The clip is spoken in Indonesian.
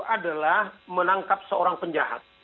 adalah menangkap seorang penjahat